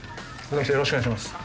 よろしくお願いします。